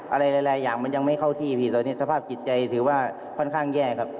อะไรหลายอย่างมันยังไม่เข้าที่พี่ตอนนี้สภาพจิตใจถือว่าค่อนข้างแย่ครับ